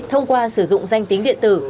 thông qua sử dụng danh tính điện tử